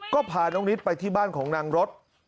ก็พาน้องนิดไปที่บ้านของนางรถ